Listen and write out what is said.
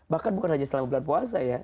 bahkan bukan hanya selama bulan puasa ya